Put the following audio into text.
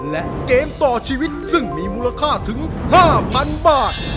และเกมต่อชีวิตซึ่งมีมูลค่าถึง๕๐๐๐บาท